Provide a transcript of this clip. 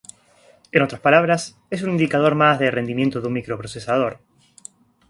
En otras palabras, es un indicador más de rendimiento de un microprocesador.